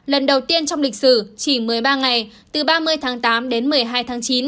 lần đầu tiên trong lịch sử chỉ một mươi ba ngày từ ba mươi tháng tám đến một mươi hai tháng chín